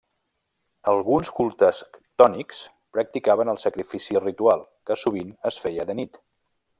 Alguns cultes ctònics practicaven el sacrifici ritual, que sovint es feia de nit.